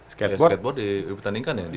skateboard di pertandingan ya